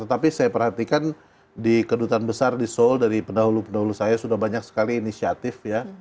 tetapi saya perhatikan di kedutaan besar di seoul dari pendahulu pendahulu saya sudah banyak sekali inisiatif ya